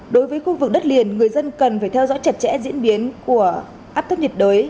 đối với khu vực đất liền người dân cần phải theo dõi chặt chẽ diễn biến của áp thấp nhiệt đới